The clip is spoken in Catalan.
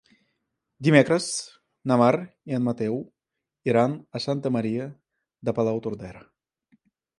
Dimecres na Mar i en Mateu iran a Santa Maria de Palautordera.